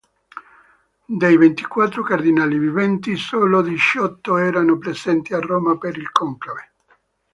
Dei ventiquattro cardinali viventi, solo diciotto erano presenti a Roma per il conclave.